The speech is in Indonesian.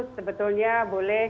satu sebetulnya boleh